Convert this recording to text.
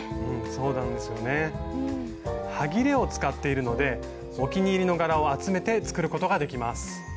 うんそうなんですよね。はぎれを使っているのでお気に入りの柄を集めて作ることができます。